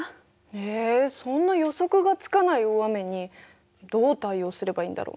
えそんな予測がつかない大雨にどう対応すればいいんだろう。